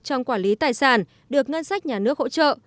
trong quản lý tài sản được ngân sách nhà nước hỗ trợ